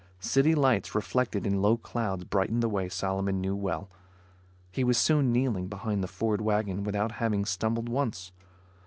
City lights, reflected in low clouds, brightened the way Solomon knew well. He was soon kneeling behind the Ford wagon without having stumbled once.